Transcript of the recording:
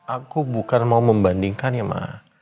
aku bukan mau membandingkannya ma